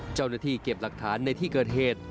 เจ้าหน้าที่เก็บหลักฐานในที่เกิดเหตุ